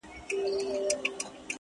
o پسله گوزه، چار زانو ناسته؟